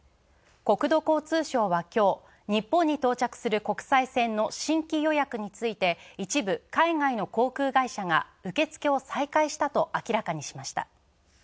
国土交通省は今日日本に到着する国際線の新規予約について一部、海外の航空会社が受付を再開したと明らかにしました。